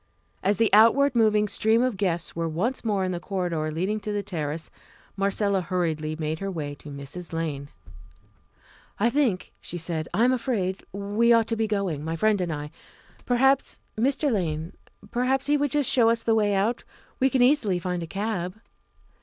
As the outward moving stream of guests was once more in the corridor leading to the terrace, Marcella hurriedly made her way to Mrs. Lane. "I think," she said "I am afraid we ought to be going my friend and I. Perhaps Mr. Lane perhaps he would just show us the way out; we can easily find a cab."